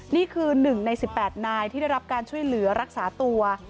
นี่คือ๑ใน๑๘นายที่ได้รับการช่วยเหลือรักษาตัว